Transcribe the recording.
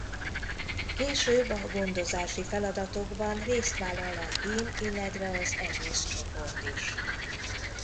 Később a gondozási feladatokban részt vállal a hím illetve az egész csoport is.